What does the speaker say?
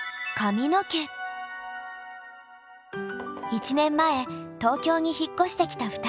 １年前東京に引っ越してきた２人。